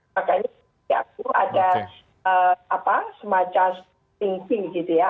makanya di aku ada semacam thinking gitu ya